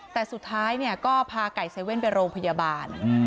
แต่สุดท้ายก็พาไก่เซเว่นไปโรงพยาบาล